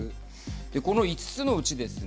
この５つのうちですね